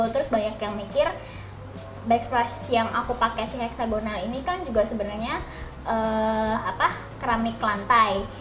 terus banyak yang mikir backspres yang aku pakai si heksagonal ini kan juga sebenarnya keramik lantai